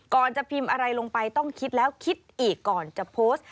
จะพิมพ์อะไรลงไปต้องคิดแล้วคิดอีกก่อนจะโพสต์